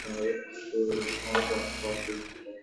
Erickson is survived by his brother, nephews, and niece.